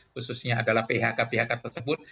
khususnya adalah phk phk tersebut